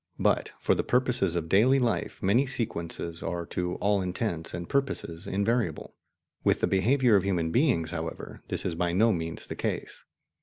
But for the purposes of daily life many sequences are to all in tents and purposes invariable. With the behaviour of human beings, however, this is by no means the case.